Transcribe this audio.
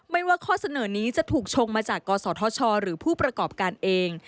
ว่าข้อเสนอนี้จะถูกชงมาจากกศธชหรือผู้ประกอบการเอง